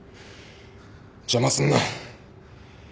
邪魔すんな。